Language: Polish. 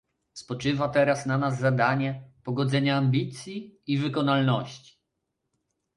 Spoczywa teraz na nas zadanie pogodzenia ambicji i wykonalności